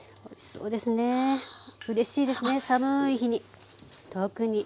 うれしいですね寒い日に特に。